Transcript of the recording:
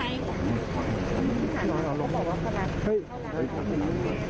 อยากให้เขาตอบทำจริงจริงใช่ไหม